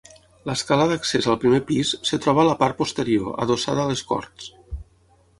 L'escala d'accés al primer pis es troba a la part posterior, adossada a les corts.